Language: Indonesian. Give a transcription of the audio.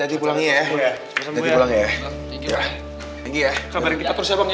kabar kita terus ya bang ya